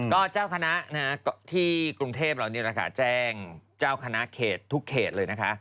ก็เจ้าคณะที่กรุงเทพฯแจ้งเจ้าคณะเขตทุกเขตเลยนะคะ